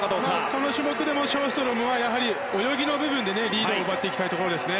この種目でもショーストロムは、やはり泳ぎの部分でリードを奪っていきたいところですね。